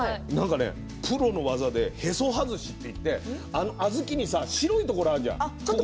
プロの技で、へそ外しといって小豆に白いところがあるじゃん？